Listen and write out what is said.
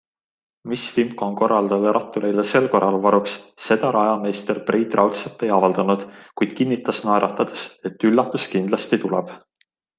Mis vimka on korraldajail rattureile sel korral varuks, seda rajameister Priit Raudsepp ei avaldanud, kuid kinnitas naeratades, et üllatus kindlasti tuleb.